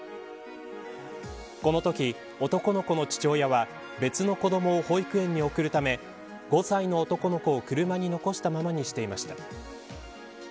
このとき、男の子の父親は別の子どもを保育園に送るため５歳の男の子を車に残したままにしていました。